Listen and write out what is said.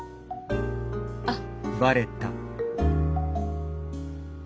あっ。